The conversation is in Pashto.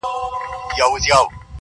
زغم د احساساتو توازن ساتي.